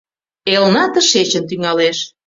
Элна тышечын тӱҥалеш.